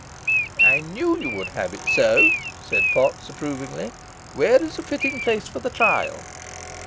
"I knew you would have it so," said Potts, approvingly. "Where is a fitting place for the trial?"